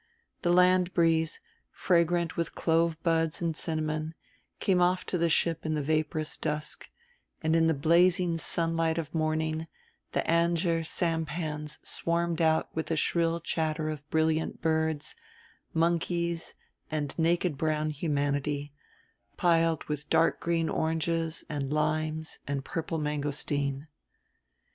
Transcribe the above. The land breeze, fragrant with clove buds and cinnamon, came off to the ship in the vaporous dusk; and, in the blazing sunlight of morning, the Anjer sampans swarmed out with a shrill chatter of brilliant birds, monkeys and naked brown humanity, piled with dark green oranges and limes and purple mangosteen.